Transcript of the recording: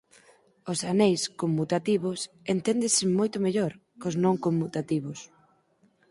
Os aneis conmutativos enténdense moito mellor cós non conmutativos.